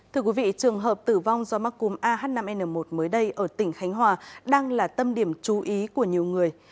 trường hợp tử vong do mắc cúm ah năm n một mới đây ở tỉnh khánh hòa đang là tâm điểm chú ý của nhiều người